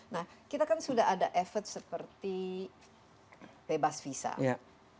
nah kita kan sudah ada effort seperti bebas visa